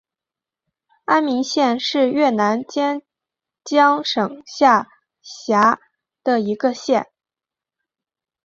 安明县是越南坚江省下辖的一个县。